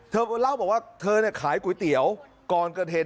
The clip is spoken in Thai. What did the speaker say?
เธอเล่าบอกว่าเธอเนี่ยขายก๋วยเตี๋ยวก่อนเกิดเหตุ